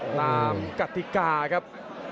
ตามกติกาครับ